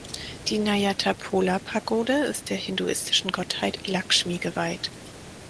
Die Nyatapola-Pagode ist der hinduistischen Gottheit Lakshmi geweiht.